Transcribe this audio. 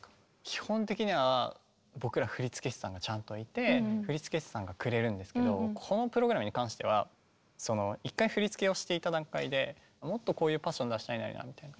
基本的には僕ら振付師さんがちゃんといて振付師さんがくれるんですけどこのプログラムに関しては一回振り付けをしていた段階でもっとこういうパッション出したいのになみたいな。